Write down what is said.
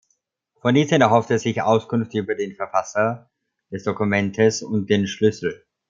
Von diesen erhofft er sich Auskunft über den Verfasser des Dokumentes und den Schlüssel.